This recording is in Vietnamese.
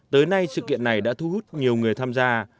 tới nay sự kiện này đã thu hút nhiều người tham gia